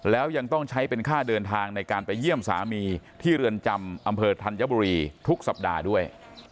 แล้วยังต้องใช้เป็นค่าเดินทางในการไปเยี่ยมสามีที่เรือนจำอำเภอธัญบุรีทุกสัปดาห์ด้วย